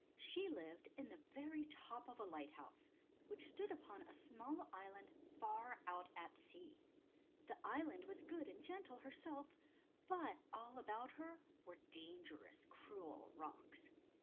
She lived in the very top of a light house, which stood upon a small island far out at sea. The island was good and gentle herself, but all about her were dangerous, cruel rocks.